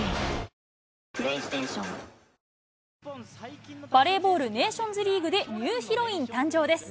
続くバレーボールネーションズリーグでニューヒロイン誕生です。